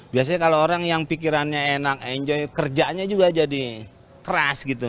biasanya kalau orang yang pikirannya enak enjoy kerjanya juga jadi keras gitu